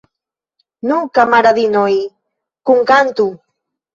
Nu, kamaradinoj, kunkantu!